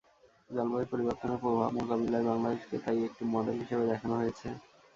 জলবায়ু পরিবর্তনের প্রভাব মোকাবিলায় বাংলাদেশকে তাই একটি মডেল হিসেবে দেখানো হয়েছে।